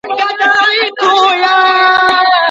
منتو خوږ خوند نه لري.